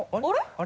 あれ？